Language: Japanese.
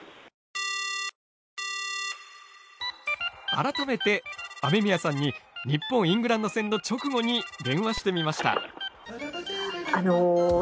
改めて、雨宮さんに日本とイングランド戦の直後に電話してみました。